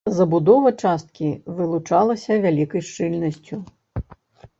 Забудова часткі вылучалася вялікай шчыльнасцю.